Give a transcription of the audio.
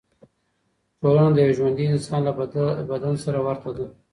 ټولنه د یو ژوندي انسان له بدن سره ورته ده.